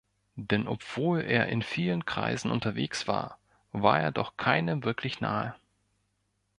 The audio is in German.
Denn obwohl er in vielen Kreisen unterwegs war, war er doch keinem wirklich nahe.